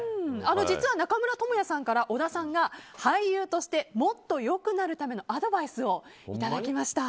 実は中村倫也さんから小田さんが俳優としてもっと良くなるためのアドバイスをいただきました。